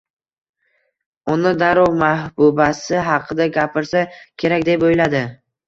Ona darrov, mahbubasi haqida gapirsa kerak, deb o`yladi